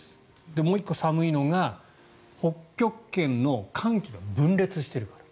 もう１個、寒いのが北極圏の寒気が分裂しているから。